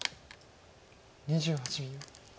２８秒。